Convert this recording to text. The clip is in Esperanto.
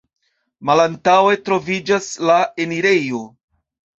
Malantaŭe troviĝas la enirejo.